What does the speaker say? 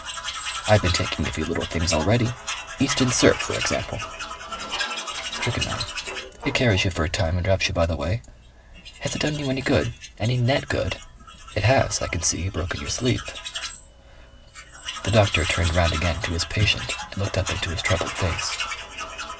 "I've been taking a few little things already. Easton Syrup for example." "Strychnine. It carries you for a time and drops you by the way. Has it done you any good any NETT good? It has I can see broken your sleep." The doctor turned round again to his patient and looked up into his troubled face.